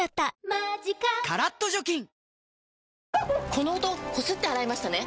この音こすって洗いましたね？